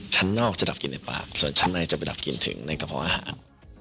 ชั้นนอกจะดับกินในปากส่วนชั้นในจะไปดับกลิ่นถึงในกระเพาะอาหาร